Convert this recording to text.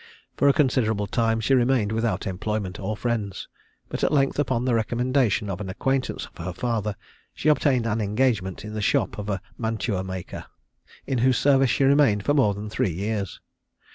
For a considerable time she remained without employment or friends, but at length upon the recommendation of an acquaintance of her father, she obtained an engagement in the shop of a mantua maker, in whose service she remained for more than three years.